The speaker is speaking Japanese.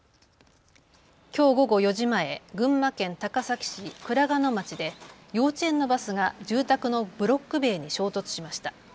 きょう午後４時前、群馬県高崎市倉賀野町で幼稚園のバスが住宅のブロック塀に衝突しました。